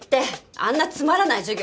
あんなつまらない授業